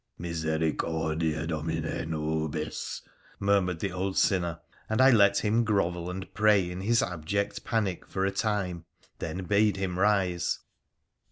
' Misericordia, Domine, nobis !' murmured the old sinner, and I let him grovel and pray in his abject panic for a time, then bade him rise.